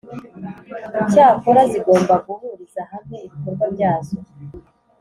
icyakora zigomba guhuriza hamwe ibikorwa byazo